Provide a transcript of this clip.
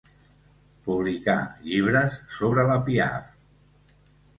Publicar llibres sobre la Piaff.